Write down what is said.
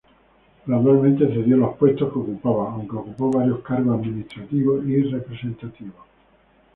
Gradualmente cedió los puestos que ocupaba, aunque ocupó varios cargos administrativos y representativos.